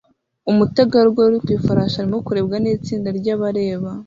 Umutegarugori uri ku ifarashi arimo kurebwa nitsinda ryabareba